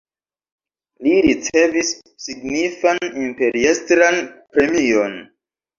Li ricevis signifan imperiestran premion.